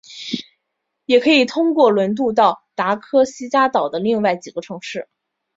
也可以通过轮渡到达科西嘉岛的另外几个城市。